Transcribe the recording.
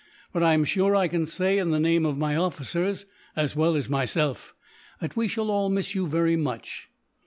But I am sure I can say, in the name of my officers as well as myself, that we shall all miss you, very much."